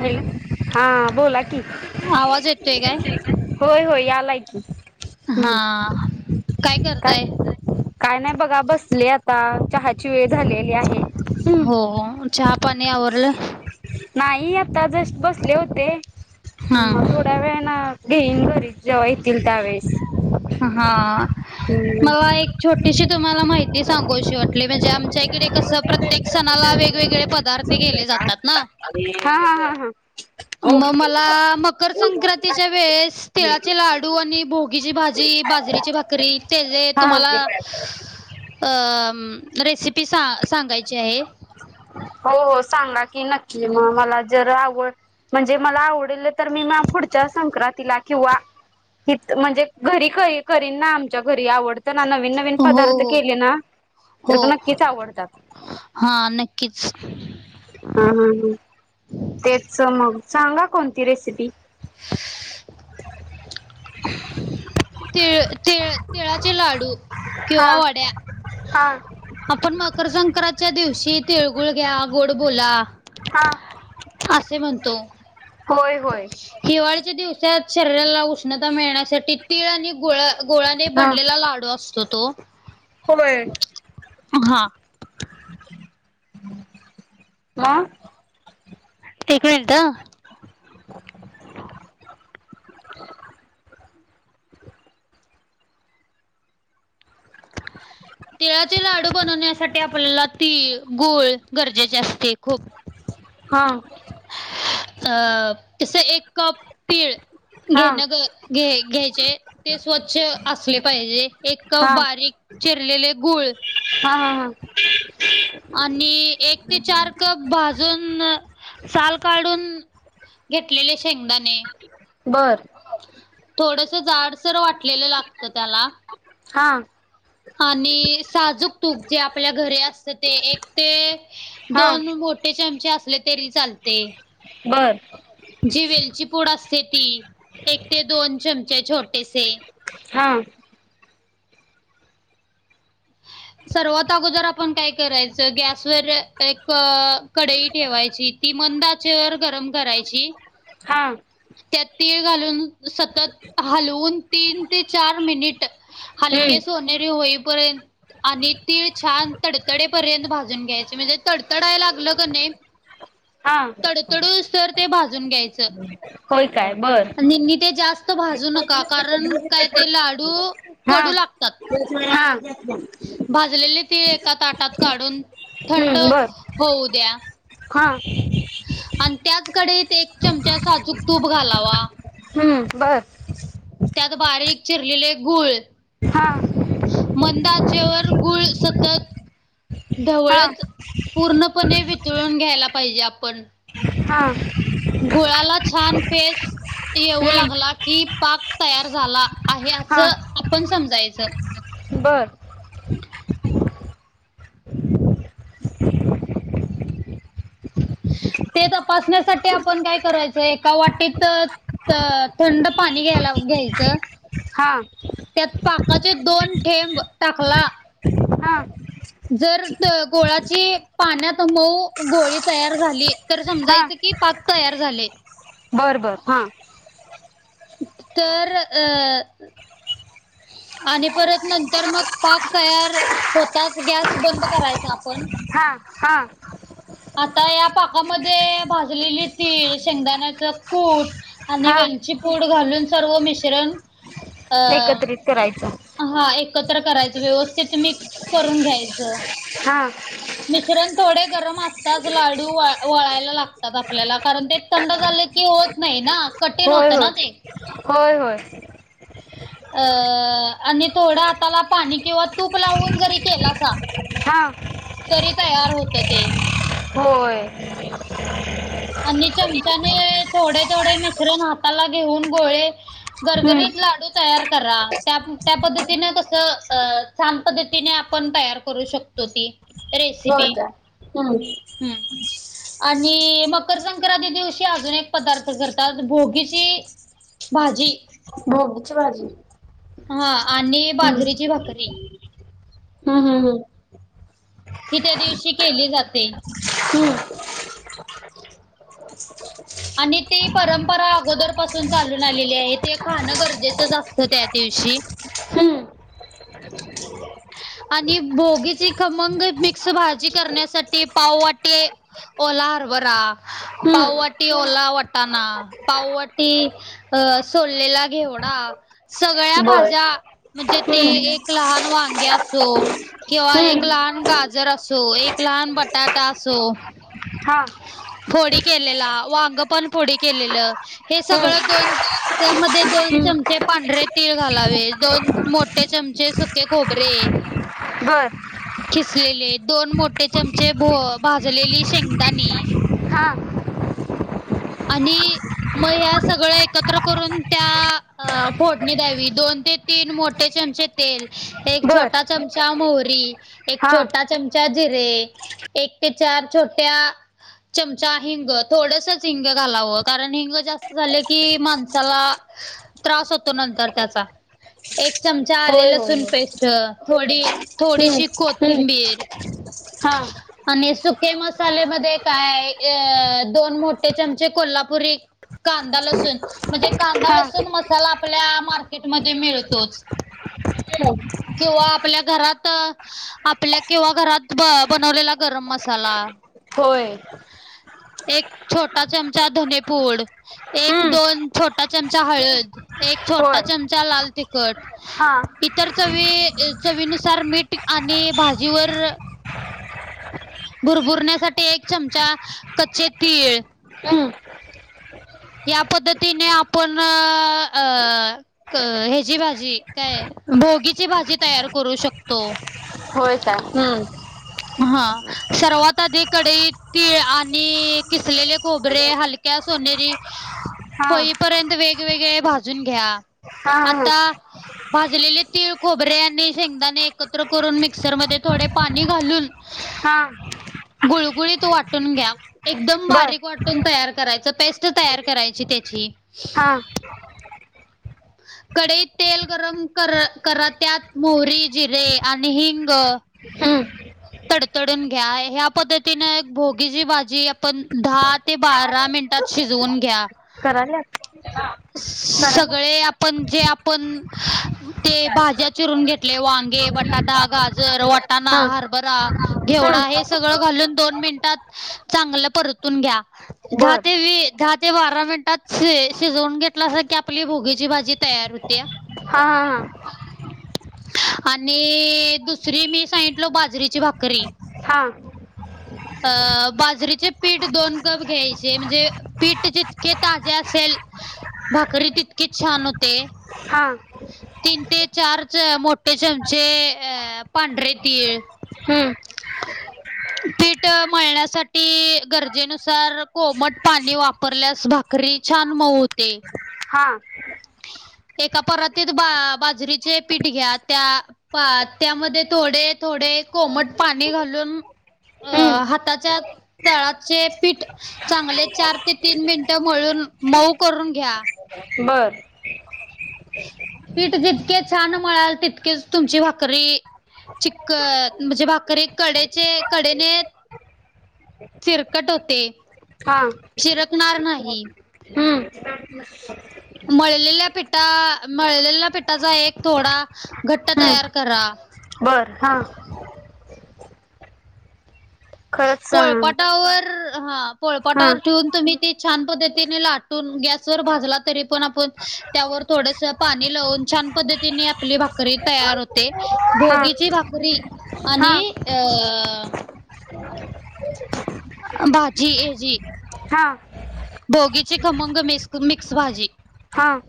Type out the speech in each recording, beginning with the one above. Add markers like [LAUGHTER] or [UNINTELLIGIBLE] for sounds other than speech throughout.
Hello हा बोला कि आवाज येतोय काय होय होय यालाय की हा हम् काय काय नाही बघा बसली आता. चहाची वेळ झालेली आहे. हो हो चहा पाणी आवरलं नाही आता जस्ट बसले होते हा थोड्या वेळ ना. घेईन घरीत जेव्हा येतील त्यावेेळेस. हां मला एक छोटीशी तुम्हाला माहिती सांगायची वाटली म्हणजे आमच्या इकडे कस प्रत्येक सणाला वेगवेगळे पदार्थ केले जातात ना. हा हा हा हां मग मला मकर संक्रांतीच्या वेळेस ती ळाचे लाडू आणि भोगी भाजी बाजरी भाकरी ते जे हा हा तुम्हाला हा रेसिपी सांगायची. आहे हो हो सांगा की नक्की मग मला जर आवड. म्हणजे मला आवडेलं तर मी पुढच्या संक्रांतीला किंवा ह म्हणजे घरी करन ना आमच्या घरी आवडत. ना नवीन नवीन हो पदार्थ केले हो ना तर हो नक्कीच आवडतात. कच ह ह ह तेच मग सांगा कोणती रेसिपी क्षेत्रात काही प्रमाणात वाढत असल्याचे जाहीर करण्यात आलेली कामे तळ तेळ तिळाचे लाडू किंवा हा वड्या हा आपण मकर संक्रांतच्या दिवशी तिळगुळ घ्या गोड बोला हा असे म्हणतो. होय होय हिवाळीच्या दिवसात शरीराला उष्णता मिळण्यासाठी तीळ आणि गुळा गोळ्याने बनलेला लाडू असतो तो समय हा. [UNINTELLIGIBLE] एक मिनिट. खा पण नाही का तुम्हाला काय? नबी काय अवजारा वगैरे झोपतो आहेत. तिळाचे लाडू बनवण्यासाठी आपल्याला तीळ गोळ गरजेचे असते खूप हा हा अ तस एक कप पीळ हा घेण घ घ्यायचे ते स्वच्छ असले पाहिजे एक कप हा बारीक चिरलेले गुळ हा हा हा. आणि एक ते चार कप भाजून साल काढून घेतलेले शेंगदाणे बर थोडस झाड. वाटलं लागत त्याला हा. आणि साजूक तूक जे आपल्या घरी असत ते एक ते हा दोन मोठे चमचे असले तरी चालते. बर जि वलची पूड असते ती एक ते दोन चमचे छोट. पसे हा. सर्वात अगोदर आपण काय करायचं. गॅसवर एक कडई ठेवायची ती मंदाच्यावर गरम करायची. हा त्यात तीळ घालून सतत हलवून तीन ते चार मिनिट हम्म हलके सोनेरी होई पर. आणि तीळ छान तडतडेपर्यंत भाजून घ्यायचे म्हणजे तडतडायला लागलं का नाही. हा तडतडू सर ते भाजून घ्यायचं. होय काय बर ेी ते जास्त भाजू नका कारण काय ते लाडू हा कडू ला हा. भाजलेले तीळ एका ताटात काढून थंड हम्म बर होऊ द्या हा आणि त्याचकडे एक चमचा साजूक तूप घालावा. हम्म बर. त्यात बारीक चिरलेले गूळ हा मंदाचे व गुळ सतत. हा ढवळत पूर्णपणे वितळून घ्यायला पाहिजे आपण हां गोळाला छान पेस येऊ हम्म लागला की पाक तयार झाला आहे हा असं आपण समजायचं बर ते तपासण्यासाठी आपण काय करायचं एका वाटीत थंड पाणी घ्यायला घ्यायचं हा त्यात पाकाचे दोन ठेंब टाकला हा जर गोळाची पाण्यात मऊ गोळी तयार झाली तर हा समजायचं कि पाक तयार झाले बर बर हा तर अ आणि परत नंतर मग पाक तयार होताच गॅस बंद करायचा आपण. हा हा आता या पाकामध्ये भाजलेली तीळ शेंगदाण्याच कूट आणि हा वेलची पूड घालून सर्व मिश्रण अ एकत्रित करायचं हा एकत्र करायचं व्यवस्थित मिक्स करून घ्यायचं हा मि्रण थोडे गरम असतात लाडू वयला लागतात आपल्याला कारण ते थंड झा क होत नाही ना कठीण होय होतं ना ते. होय होय होय अ आणि थोडं आताला पाणी किंवा तूप लावून जरी केलासा हा तरी तयार होत ते होय आणि चमचाने थोडे थोडे मिश्रण हाताला घेऊन गोळे हम्म घरगरीत लाडू तयार करा त्या पद्धतीने कस छान पद्धतीने आपण तयार करू शकतो ती होय रेसिपी का हम्म आणि मग मकर संक्रांती दिवशी अजून एक पदार्थ करतात भोगीची भाजी भोगीची भाजी हा आणि बाजरीची भाकरी हम्म हम्म हम्म हि त्या दिवशी केली जाते हम् आणि ती परंपरा अगोदर पासून चालून आलेली आहे ते खाणं गरजेचं जा असतं त्या दिव खुशीी हम्म आणि भोगीची खमंग मिक्स भाजी करण्यासाठी पाववाटे ओला हरवरा हम्म पाववाटी ओला वाटाणा पाववाटी अ सोडलेला घेवडा सगळ्या बर भाज्या म्हणजे ते हम्म एक लहान वांग्या ो किंवा एक हम्म लहान गाजर असो एक लहान बटाटा असो हा फोडी केलेला वांग पण फोडी केलेलं हे हम्म सगळं दोन त्यामध्ये दोन हम्म चमचे पांढरे तीळ घालावे दोन मोठे चमचे सुके खोबरे बर खिसलेले दोन मोठे चमचे भ भाजलेली शेंगदाणी हा आणि मग ह सगळ एकत्र करून त्या फोटणी द्यावी दोन ते तीन मोठ्या चचे तेल एक बर छोटा चमचा मोहरी एक हा छोटा चमचा जिरे एक ते चार छोट्या चमचा हिंग. थोडसच हिंग घालावं कारण हिंग जास्त झाले की माणसाला त्रास होतो नंतर त्याचा. एक चमचा आले होय होय लसूण पेस्ट. थोडी थोडीशी होय हम्म कोथिंबीर. हम्म हा आणि सुके मसाले मध्ये काय आहे दोन मोठे कोल्हापुरी कांदा लसुण म्हणजे कांदा हा लसुण मसाला. आपल्या मार्केट मध्ये मिळतोच. [UNINTELLIGIBLE] किवा आपल्या घरात आपल्या किंवा घरात बनवलेला गरम मसाला. होय. एक छोटा चमचा धनेपूड. एक हम्म दोन छोटा चमचा हळद. एक छोटा होय चमचा लाल तिखट. हा इतर चवी चवीनुसार मीठ. आणि भाजीवर भुरभुरण्यासाठी एक चमचा कच्चे तीळ. हं या पद्धतीने आपण अ ह्याची भाजी काय भोगीची भाजी तयार करू शकतो. होय काय? हम्म हा सर्वात आधी कढईत तिळ आणि किसलेले खोबरे हलक्या सोनेरी हा होईपर्यंत वेगवेगळे भाजून घ्या. हा हा आता हा भाजलेले तीळ खोबरे आणि शेंगदाणे एकत्र करून मिक्सर मध्ये थोडे पाणी घालून हा हा गुळगुळीत वाटून घ्या. एकदम बर बारीक वाटून तयार करायच. पेस्ट तयार करायची त्याची. हा. [INAUDIBLE] कडईत तेल गरम कर करत त्यात मोहरी, जिरे, आणि हिंग. हम्म तडतडून घ्या. ह्या पद्धतीन एक भोगीची भाजी आपण दहा ते बारा मे मिनिटात शिजवून घ्या. झालं. सगळे आपण जे आपण ते भाज्या चिरून घेतले. वा बटाटा, गाजर, वटाणा, हा हरभरा, घेवडा, हे हम्म सगळं घालून दोन मिनिटात चांगलं परतून घ्या. दहा बर ते वीस. दहा ते ते बारा मिनिटात शिजवून घेतलं अस की, आपली भोगीची भाजी तयार होती. हा हा हा आणि दुसरी मी सांगितलो बाजरीची भाकरी. हां अ बाजरीचे पीठ दोन कप घ्यायचे. म्हणजे पीठ जितके ताजे असेल भाकरी तितकेच छान होते. हां तीन ते चार च मोठे चमचे अ पांढरे तीळ. हम्म [INAUDIBLE] पीठ मळण्यासाठी गरजेनुसार कोमट पाणी वापरल्यास भाकरी छान मऊ होते. हा [INAUDIBLE] एका परातीत बा बाजरीचे पीठ घ्या. त्या पा त्यामध्ये थोडे थोडे कोमट पाणी घालून अ हम्म हाताच्या तळाचे पीठ चांगले चार ते तीन मिनट मिळून मऊ करून घ्या. बर. पीठ जितके छान म्हणाल तितकेच तुमची भाकरी चिकक म्हणजे भाकरी कडेचे कडेने चिरकट होते. हा. चिरकणार नाही. हा. मळलेल्या पिठा मळलेल्या पिठाचा एक थोडा घट्ट हम्म तयार करा. बर हा. खरंच पोळपाटावर हा हा पोळपाटावर ठेवून तुम्ही ते छान पद्धतीने लाटून गॅस वर भाजला तरी पण त्यावर थोड पाणी लावुन छान छान पद्धती आपली भाकरी तयार होते, हा भोगीची भाकरी. हा आणि अ भाजी ह्याजी हा. भोगीची खमंग मक मिक्स भाजी. हां.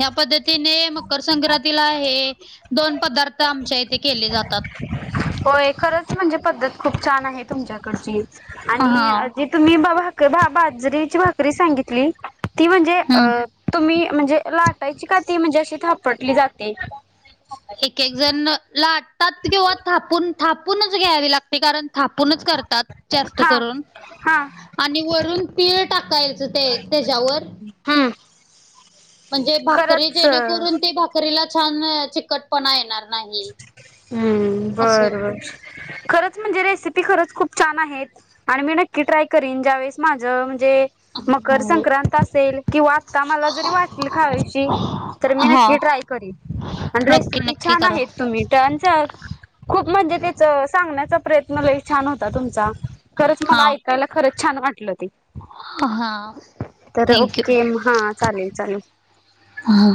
ह्या पद्धतीने मकर संक्रांतीला हे दोन पदार्थ आमच्या इथे केले जातात. होय खरंच म्हणजे पद्धत खूप छान आहे. तुमच्याकडची आणि हा जे तुम्ही भाकरी बाजरीची भाकरी सांगितली, ती म्हणजे अ हम्म. तुम्ही म्हणजे लाटायची का ती म्हणजे अशी थापटली जाते? एक एक जण लाटतात किंवा थापून थापूनच घ्यावी लागते. कारण थापूनच करतात जास्त हा करून. हा आणि वरून तीळ टाकायचं, ते त्याच्यावर. हम्म म्हणजे भाकरी खरंच जेणेकरून ते भाकरीला छान चिकटपणा येणार नाही. बरं असं बरं. खरंच म्हणजे म्हणजे मकर संक्रांत असेल किंवा आता मला जरी वाटल खावीशी. तर मी नक्की हा ट्राय करीन आणि नक्की रेसिपी नक्की छान करा आहेत, तुम्ही ट खूप म्हणजे त्याच सांगण्याचा प्रयत्न लय छान होता तुमचा, खरंच मला हा ऐकायला खरंच छान वाटलं ते, हा तर थँक्यू ओके हा चालेल चालेल. हा.